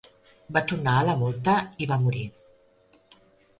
Va tornar a la mòlta, i va morir.